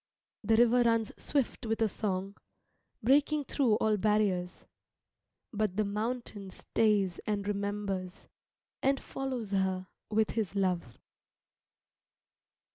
The river runs swift with a song, breaking through all barriers. But the mountain stays and remembers, and follows her with his love.